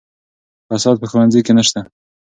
فساد په ښوونځي کې نشته.